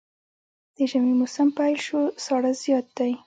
د ژمي موسم پيل شو ساړه زيات دی